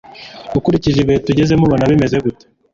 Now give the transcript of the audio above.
Ukurikije ibihe tugezemo ubona bimeze gute